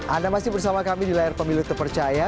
anda masih bersama kami di layar pemilu terpercaya